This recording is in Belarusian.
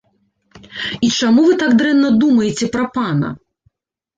І чаму вы так дрэнна думаеце пра пана?